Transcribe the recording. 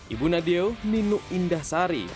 ibu nadeo ninu indah sari